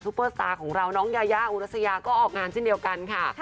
เปอร์สตาร์ของเราน้องยายาอุรัสยาก็ออกงานเช่นเดียวกันค่ะ